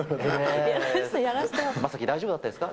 将暉、大丈夫だったんですか？